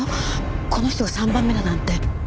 この人が３番目だなんて。